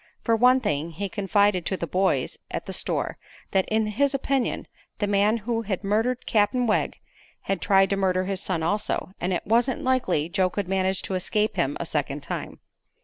For one thing, he confided to "the boys" at the store that, in his opinion, the man who had murdered Cap'n Wegg had tried to murder his son also, and it wasn't likely Joe could manage to escape him a second time.